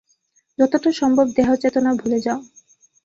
যতটা সম্ভব, দেহচেতনা ভুলে যাও।